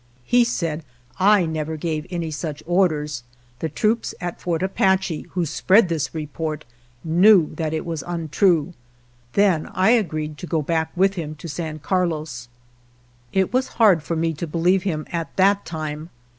He said: "I never gave any such orders; the troops at Fort Apache, who spread this report, knew that it was untrue." Then I agreed to go back with him to San Carlos. It was hard for me to believe him at that time.